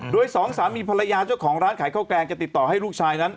โดยด้วยผลัยร้านว่าเจ้าของร้านขายข้าวแกงจะติดต่อให้ลูกชายนั้น